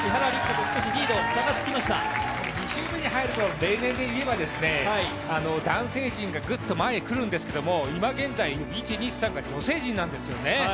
２周目に入るころ、例年で言えば男性陣がぐっと前にくるんですけれども今現在、１・２・３位が女性なんですね。